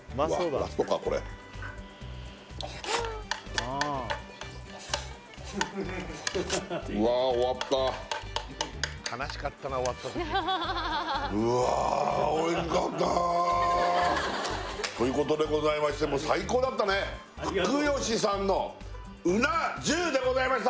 ラストかこれうわうわということでございましてもう最高だったね福吉さんのうな重でございました